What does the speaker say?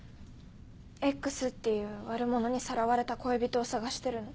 エックスっていう悪者にさらわれた恋人を捜してるの。